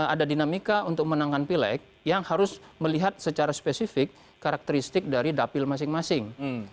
ada dinamika untuk menangkan pileg yang harus melihat secara spesifik karakteristik dari dapil masing masing